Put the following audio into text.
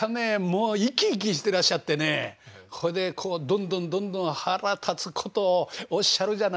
もう生き生きしてらっしゃってねほいでどんどんどんどん腹立つことをおっしゃるじゃないですか。